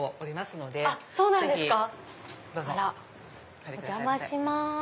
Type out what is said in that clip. お邪魔します。